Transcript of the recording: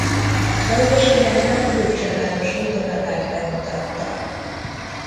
Lajos királynak Lőcse város hódolatát bemutatta.